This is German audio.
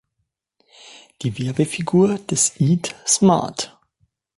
Die Werbefigur des Eat Smart.